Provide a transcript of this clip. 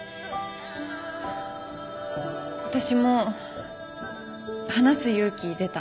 あたしも話す勇気出た。